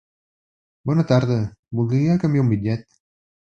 Bona tarda, volia canviar un bitllet.